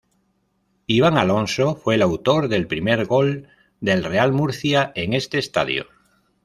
Iván Alonso fue el autor del primer gol del Real Murcia en este estadio.